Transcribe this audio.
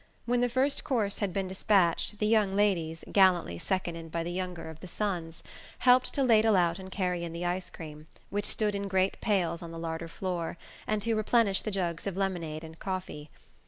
When the first course had been despatched the young ladies, gallantly seconded by the younger of the "Sons," helped to ladle out and carry in the ice cream, which stood in great pails on the larder floor, and to replenish the jugs of lemonade and coffee.